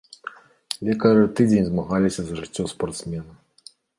Лекары тыдзень змагаліся за жыццё спартсмена.